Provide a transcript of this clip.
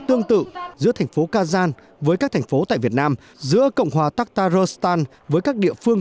tương tự giữa thành phố kazan với các thành phố tại việt nam giữa cộng hòa taktaristan với các địa phương